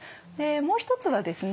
もう一つはですね